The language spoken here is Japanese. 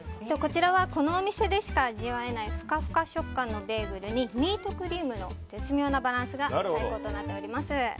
このお店でしか味わえないふかふか食感のベーグルにミートクリームの絶妙なバランスが最高となっております。